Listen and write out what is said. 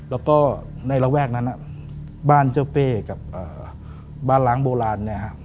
แล้วก็ในกระแวกนั้นบ้านเจอเป้กับบ้านร้านโบราณ